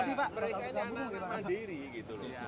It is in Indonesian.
mereka anak anak mandiri gitu loh